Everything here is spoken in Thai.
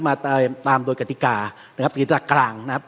มาตามโดยกฎิกานะครับวิธีทางกลางนะครับ